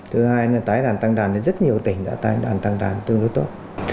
thứ hai tái đàn tăng đàn rất nhiều tỉnh đã tái đàn tăng đàn tương đối tốt